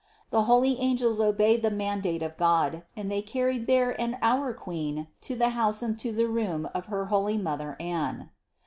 The holy angels obeyed the mandate of God and they carried their and our Queen to the house and to the room of her holy mother Anne.